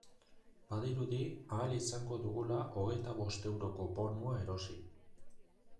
Badirudi ahal izango dugula hogeita bost euroko bonua erosi.